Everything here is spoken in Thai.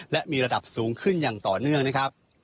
และมีระดับสูงขึ้นอย่างต่อเนื่องนะครับ